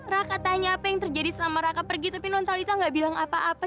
raka tanya apa yang terjadi selama raka pergi tapi nontalita nggak bilang apa apa